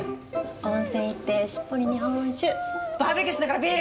温泉行ってしっぽり日本酒バーベキューしながらビール！